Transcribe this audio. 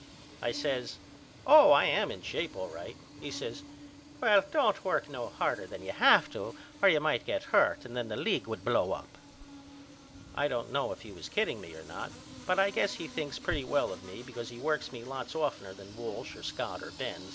I says Oh I am in shape all right. He says Well don't work no harder than you have to or you might get hurt and then the league would blow up. I don't know if he was kidding me or not but I guess he thinks pretty well of me because he works me lots oftener than Walsh or Scott or Benz.